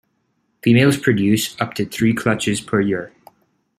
Females produce up to three clutches per year.